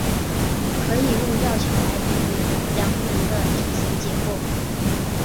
可以用吊桥来比喻梁龙的体型结构。